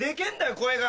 声が！